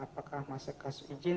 apakah masih kasus izin